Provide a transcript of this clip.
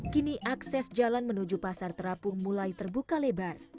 kini akses jalan menuju pasar terapung mulai terbuka lebar